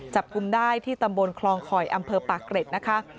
กุมได้ที่ตำบลคลองคอยอำเภอปากเกร็ดนะคะ